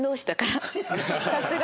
さすが！